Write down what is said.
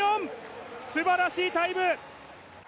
すばらしいタイム。